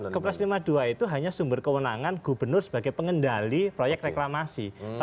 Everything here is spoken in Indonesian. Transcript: kepres lima puluh dua itu hanya sumber kewenangan gubernur sebagai pengendali proyek reklamasi